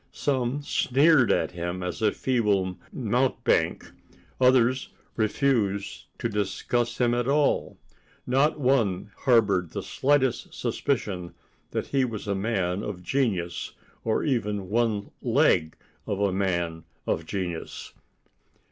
Some sneered at him as a feeble mountebank; others refused to discuss him at all; not one harbored the slightest suspicion that he was a man of genius, or even one leg of a man of genius.